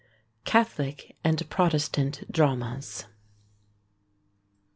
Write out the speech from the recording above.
CATHOLIC AND PROTESTANT DRAMAS.